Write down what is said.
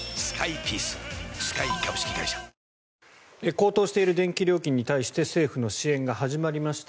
高騰している電気料金に対して政府の支援が始まりました。